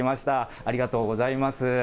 ありがとうございます。